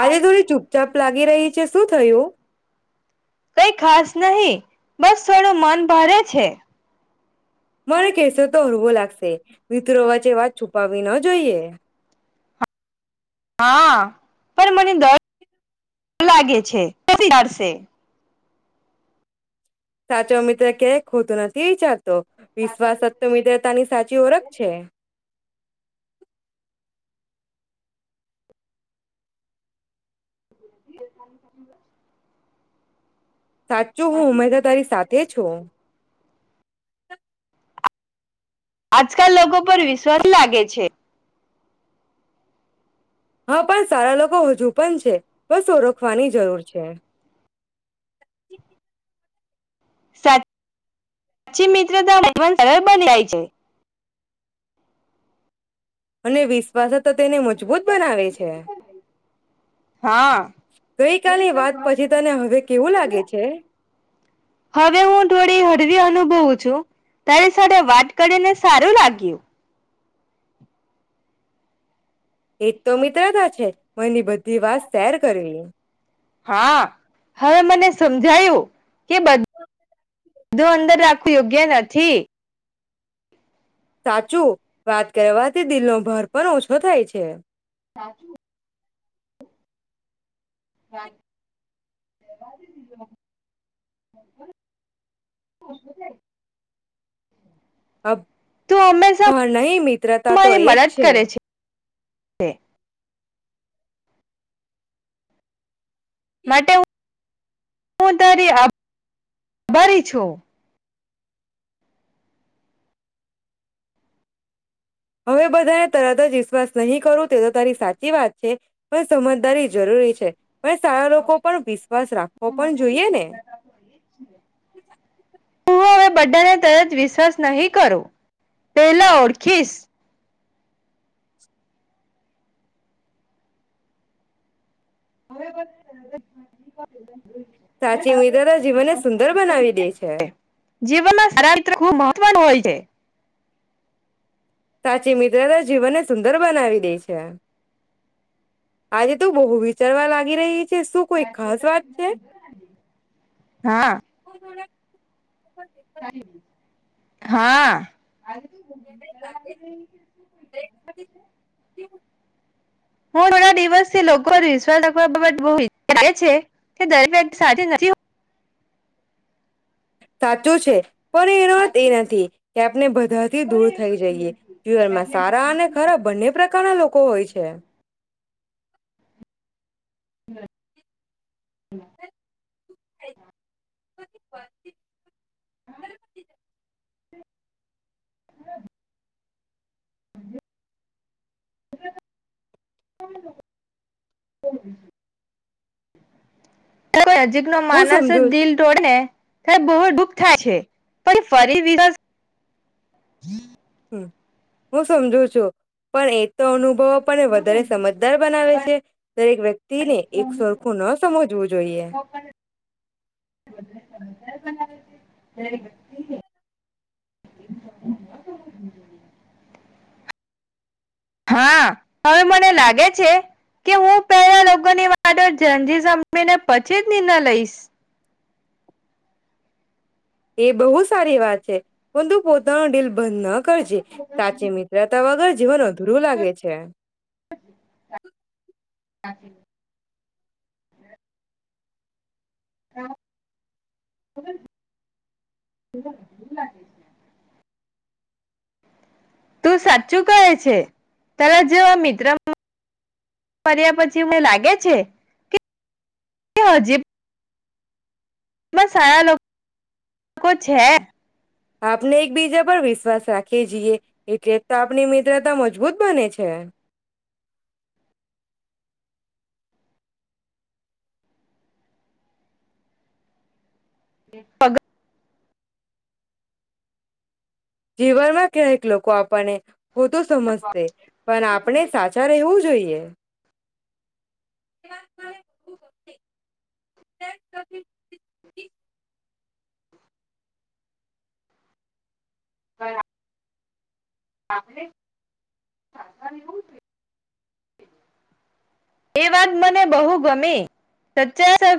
આજે થોડી ચૂપચાપ લાગી રહી છે શું થયું કઈ ખાસ નહી બસ થોડું મન. ભરે છે. મને કહેશો તો હળવો લાગશે મિત્રો વચ્ચે વાત છુપાવવી ન જોઈએ. હા, પણ મને દર લાગે છે [unintelligible] સાચો મિત્ર ક્યાક ખોતું નથી વીચાર તો વિશ્વાસત્ મિત્રતાની સાચી ઓળખ છે. [inaudible] સાચું હુ ઉમેદા તારી સાથે છું. આજકાલ લોકો પર વિશ્વાસ લાગે છે. હા પણ, સારા લોકો હજુ પણ છે બસ ઓળખવાની જરૂર છે. [inaudible] સા ચી મિત્રતા [unintelligible] જાય છે. અને વિશ્વાસ ચ [inaudible] હા ગઈ [inaudible] કાલની વાત પછી તને હવે કેવું લાગે છે હવે હું થોડી હળવી અનુભવું છું. તારી સાથે વાત કડી ને સારું લાગ્યું. એજ તો મિત્રતા છે, મની બધી વાત શેર કરવી. હા હવે મને સમજાયું. કે બધ ધું અંદર રાખવી યોગ્ય નથી. સાચું, વાત કરવા થી દિલનો ભાર પણ ઓછો થાય છે. [inaudible] [inaudible] અ તું હંમેશા ભાર નહી મિત્રતા તો એજ છે. તે. માટે હું તારી આ ભારી છું. હવે બધાને તરત જ વિશ્વાસ નહીં કરો તે તો તારી સાચી વાત છે, પણ સમજદારી જરૂરી છે. પણ સારા લોકો પર વિશ્વાસ રાખવો પણ જોઈએ ને. હું હવે બધાને તરત વિશ્વાસ નહીં કરો, પેલા ઓળખીશ. [inaudible] સાચી મિત્રતા જીવનને સુંદર બનાવી દે છે. જીવનમાં સારા [unintelligible] ખૂબ મહત્વનું હોય છે. સાચી મિત્રતા જીવનને સુંદર બનાવી દેય છે. આજે તું બહુ વિચરવા લાગી રહી. શું કોઈ ખાસ વાત છે? [inaudible] હા [inaudible] હા. [inaudible] હું થોડા દિવસથી લોકો [unintelligible] દરેક વ્યક્તિ સાથે નથી હો સાચું છે. પણ એનોત એ નથી કે આપને બધાથી દૂર થઈ જઈએ. જીવનમાં સારા અને ખરા બંને પ્રકારના લોકો હોય છે. [inaudible] [inaudible] [inaudible] [inaudible] [inaudible] કોઈ નજીક નો હું માનસ સમજુ જ દિલ તોડે ને ત્યારે બહુ દુઃખ થાય છે પણ ફરી [unintelligible] હું સમજુ છું પણ એ તો અનુભવ. આપણને વધારે સમજદાર બનાવે છે દરેક વ્યક્તિને એક સરખું ન સમજવું જોઈએ. [inaudible] હા હવે મને લાગે છે કે હું પહેલા લોકોની વાતો [unintelligible] સમજીને પછી જ નિર્ણય લઈશ. એ બહુ સારી વાત છે પણ તું પોતાનું દિલ. બંધ ન કરજે સાચી મિત્રતા વગર જીવન અધુરું લાગે છે. હ [unintelligible] [inaudible] તું સાચું કહે છે તરા જેવા મિત્ર ફર્યા પછી હું લાગે છે કે હજી એમાં સારા લોકો છે. આપને એકબીજા પર વિશ્વાસ રાખીએ જીએ એટલે તો આપણી મિત્રતા મજબૂત બને છે. પગ જીવનમાં ક્યાંક લોકો આપણને હ તો સમજશે પણ આપણે સાચા રહેવું જોઈએ. તે [inaudible] બરા એ વાત મને બહુ ગમે સા